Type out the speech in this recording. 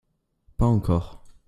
Pas encore.